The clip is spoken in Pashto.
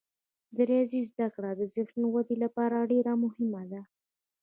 د ریاضي زده کړه د ذهني ودې لپاره ډیره مهمه ده.